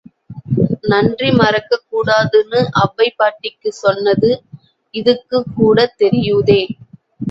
நன்றி மறக்கக்கூடாதுன்னு ஒளவைப் பாட்டி சொன்னது இதுக்குக்கூடத் தெரியுதே!